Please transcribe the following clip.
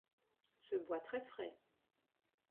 Se boit très frais.